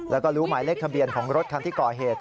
แล้วก็รู้หมายเลขทะเบียนของรถคันที่ก่อเหตุ